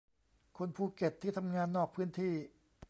คนภูเก็ตที่ทำงานนอกพื้นที่